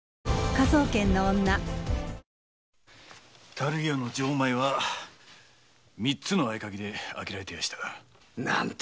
樽屋の錠は三つの合鍵で開けられていました。